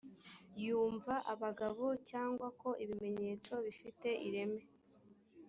yumva abagabo cyangwa ko ibimenyetso bifite ireme